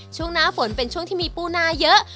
ช่วงหน้าฝนเป็นช่วงที่มีปูนาเยอะ